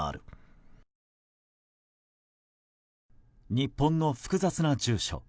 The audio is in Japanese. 日本の複雑な住所。